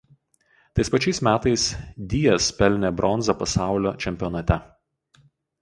Tais pačiais metais Diaz pelnė bronzą pasaulio čempionate.